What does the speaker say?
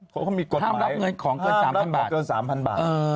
ท่านรับเงินของเกิน๓๐๐๐บาท